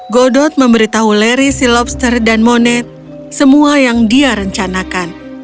godot memberitahu larry si lobster dan monet semua yang dia rencanakan